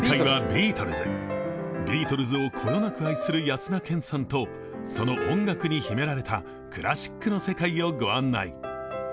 ビートルズをこよなく愛する安田顕さんと、その音楽に秘められたクラシックの世界をご案内。